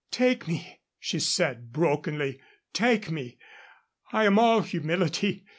"Take me," she said, brokenly. "Take me. I am all humility.